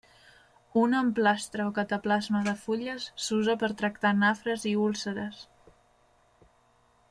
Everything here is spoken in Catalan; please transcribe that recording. Un emplastre o cataplasma de fulles s'usa per tractar nafres i úlceres.